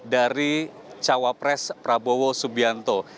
dari cawa pres prabowo subianto